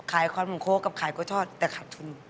ขายควันหมุกโฆะกับขายโครวชอดแต่ขาดทุน